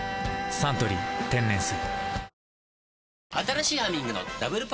「サントリー天然水」